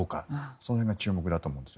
その辺が注目だと思います。